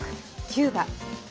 キューバ。